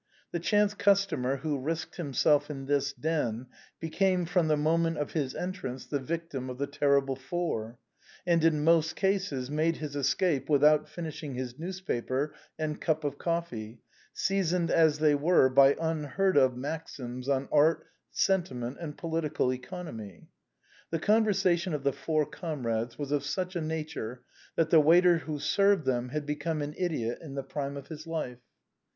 The chance customer who risked himself in this den, became, from the moment of his entrance, the victim of the terrible four; and, in most cases, made his escape without finishing his news paper and cup of coffee, seasoned as they were by unheard of maxims on art, sentiment, and political economy. The conversation of the four comrades was of such a nature that the waiter who served them had become an idiot in the prime of his life.